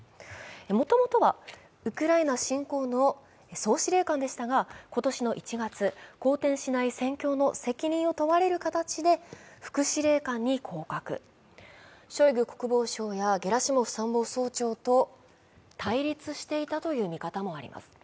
もともとはウクライナ侵攻の総司令官でしたが、今年の１月、好転しない戦況の責任を問われる形で副司令官に降格、ショイグ国防相やゲラシモフ参謀総長と対立していたという見方もあります。